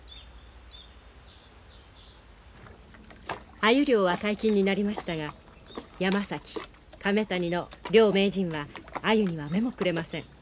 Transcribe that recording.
アユ漁は解禁になりましたが山崎亀谷の両名人はアユには目もくれません。